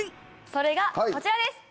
それがこちらです！